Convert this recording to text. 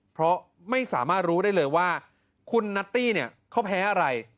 เพราะไม่สามารถรู้ได้เลยว่าคุณนัตตี้เนี่ยเขาแพ้อะไร